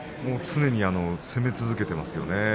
常に攻め続けています。